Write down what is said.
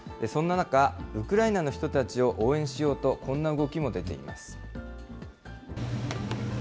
そんな中、ウクライナの人たちを応援しようと、こんな動きも出ています。